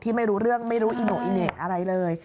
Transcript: ที่ไม่รู้เรื่องไม่รู้อิโนะอิเหนะอะไรเลย